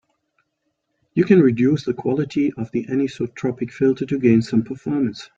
You can reduce the quality of the anisotropic filter to gain some performance.